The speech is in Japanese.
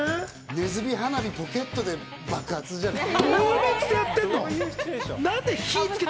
ねずみ花火、ポケットで爆発じゃない？